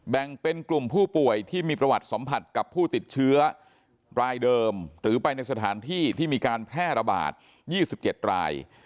แบ่งเป็นกลุ่มผู้ป่วยที่มีประวัติสัมผัสกับผู้ติดเชื้อรายเดิมหรือไปในสถานที่ที่มีการแพร่ระบาด๒๗ราย